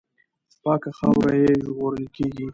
پاکه خاوره یې ژغورل کېږي.